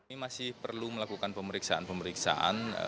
ini masih perlu melakukan pemeriksaan pemeriksaan